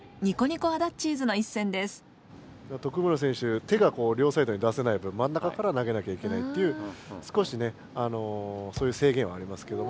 徳村選手手が両サイドに出せない分真ん中から投げなきゃいけないっていう少しねそういうせいげんはありますけども。